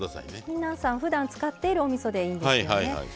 皆さんふだん使っているおみそでいいんですよね。